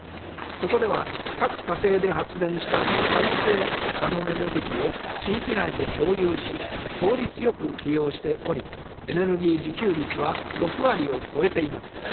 そこでは、各家庭で発電した再生可能エネルギーを地域内で共有し、効率よく利用しており、エネルギー自給率は６割を超えています。